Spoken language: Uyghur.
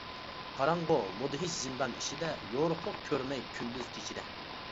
قاراڭغۇ، مۇدھىش زىندان ئىچىدە، يورۇقلۇق كۆرمەي كۈندۈز كېچىدە.